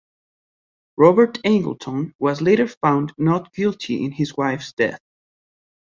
Robert Angleton was later found not guilty in his wife's death.